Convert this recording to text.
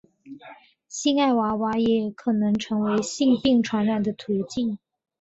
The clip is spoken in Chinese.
性爱娃娃也可能成为性病传染的途径。